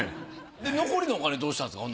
で残りのお金どうしたんですか？